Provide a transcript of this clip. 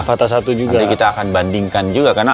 boring kita akan bandingkan juga karena